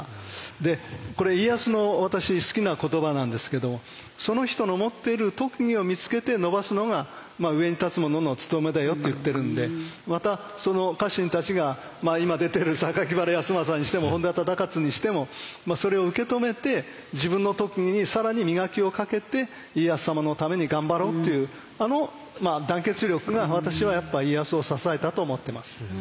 でこれ家康の私好きな言葉なんですけどその人の持っている特技を見つけて伸ばすのが上に立つ者の務めだよって言ってるんでまたその家臣たちが今出てる榊原康政にしても本多忠勝にしてもそれを受け止めて自分の特技に更に磨きをかけて家康様のために頑張ろうっていうあの団結力が私はやっぱ家康を支えたと思ってます。